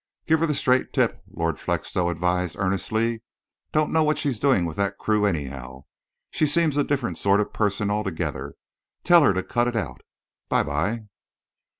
"Give her the straight tip," Lord Felixstowe advised earnestly. "Don't know what she's doing with that crew, anyhow. She seems a different sort of person altogether. Tell her to cut it out. By by!"